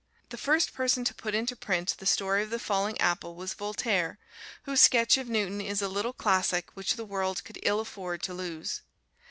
The first person to put into print the story of the falling apple was Voltaire, whose sketch of Newton is a little classic which the world could ill afford to lose.